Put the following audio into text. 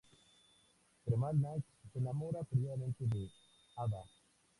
Tremal-Naik se enamora perdidamente de Ada.